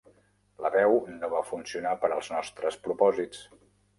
La veu no va funcionar per als nostres propòsits.